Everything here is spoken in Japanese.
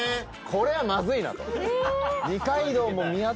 これはまずいなと。